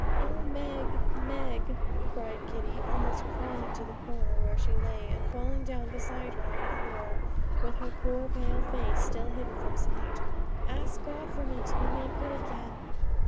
'Oh! Meg! Meg!' cried Kitty, almost crawling to the corner where she lay, and falling down beside her on the floor, with her poor pale face still hidden from sight, 'ask God for me to be made good again.'